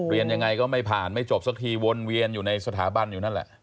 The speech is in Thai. เรียนยังไงก็ไม่ผ่านไม่จบสักทีวนเวียนอยู่ในสถาบันอยู่นั่นแหละ